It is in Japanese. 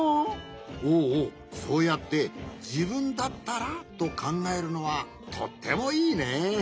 おおそうやって「じぶんだったら」とかんがえるのはとってもいいね。